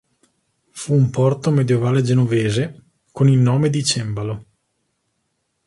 Fu un porto medioevale genovese, con il nome di Cembalo.